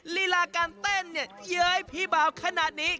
ลีลาการเต้นเนี่ยเย้ยพี่บ่าวขนาดนี้